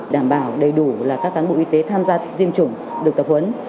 đảm bảo đầy đủ là các cán bộ y tế tham gia tiêm chủng được tập huấn